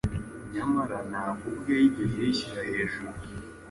Nyamara ntabwo ubwe yigeze yishyira hejuru;